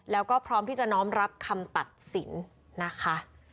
แล้วก็พร้อมที่จะน้อมรับคำตัดสินนะคะ